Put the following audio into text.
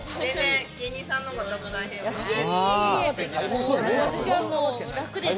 芸人さんの方が多分、大変です。